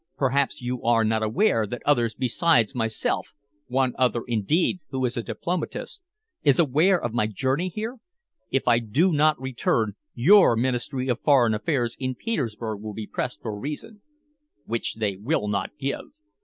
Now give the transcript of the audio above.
"Perhaps you are not aware that others beside myself one other, indeed, who is a diplomatist is aware of my journey here? If I do not return, your Ministry of Foreign Affairs in Petersburg will be pressed for a reason." "Which they will not give."